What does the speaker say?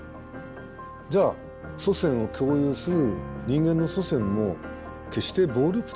じゃあ祖先を共有する人間の祖先も決して暴力的ではなかったんじゃないか。